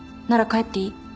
なら帰っていい。